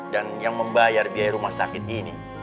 dan yang membayar biaya rumah sakit ini